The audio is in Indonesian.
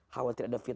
hawa tidak ada fitur